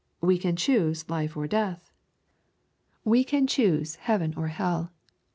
We can choose life or death. We can choose heaven or hell.